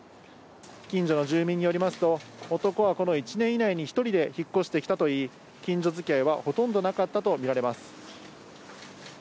近所の住民によりますと、男はこの１年以内に１人で引っ越してきたといい、近所づきあいは、ほとんどなかったとみられます。